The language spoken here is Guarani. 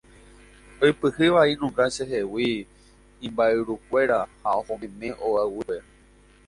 Oipyhy vai nunga chehegui imba'yrukuéra ha ohomeme ogaguýpe.